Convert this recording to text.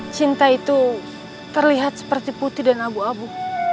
cinta itu terlihat seperti putih dan abu abu